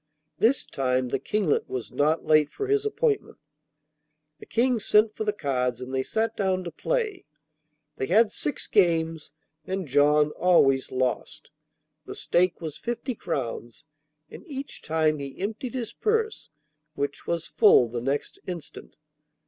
This time the Kinglet was not late for his appointment. The King sent for the cards and they sat down to play. They had six games, and John always lost. The stake was fifty crowns, and each time he emptied his purse, which was full the next instant.